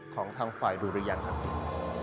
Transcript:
ของท่ารำดุรยางกระสิน